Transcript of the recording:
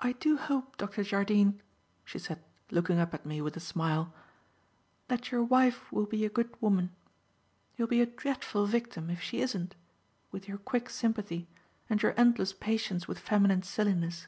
"I do hope, Dr. Jardine." she said, looking up at me with a smile, "that your wife will be a good woman. You'll be a dreadful victim if she isn't, with your quick sympathy and your endless patience with feminine silliness.